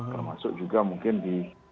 termasuk juga mungkin di